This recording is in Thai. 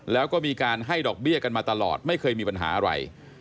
แล้วก็มีการให้ดอกเบี้ยกันมาตลอดไม่เคยมีปัญหาอะไร